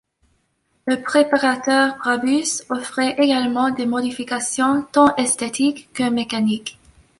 Le préparateur Brabus offrait également des modifications tant esthétiques que mécaniques.